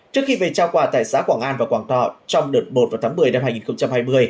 trước khi về trao quà tại xã quảng an và quảng thọ trong đợt một vào tháng một mươi năm hai nghìn hai mươi